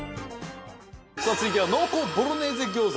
さあ続いては濃厚ボロネーゼ餃子です。